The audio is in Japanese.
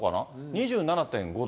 ２７．５度。